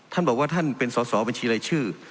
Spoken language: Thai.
ท่านบอกว่าท่านเป็นสอสอบัญชีรายชื่อ